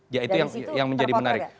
ya itu yang menjadi menarik